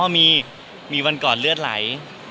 มีวันก่อนเลือดไหล